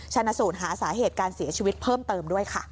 ชนะสูตรหาสาเหตุการเสียชีวิตเพิ่มเติมด้วยค่ะ